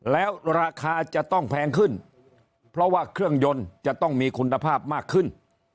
แล้วราคาจะต้องแพงขึ้นเพราะว่าเครื่องยนต์จะต้องมีคุณภาพมากขึ้น